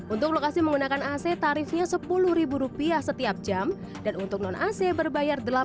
untuk lokasi menggunakan ac tarifnya rp sepuluh setiap jam dan untuk non ac berbayar rp delapan setiap jamnya